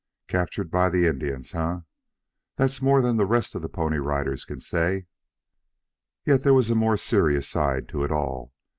Captured by the Indians, eh? That's more than the rest of the Pony Riders can say." Yet there was a more serious side to it all.